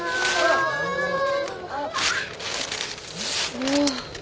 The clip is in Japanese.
うわ。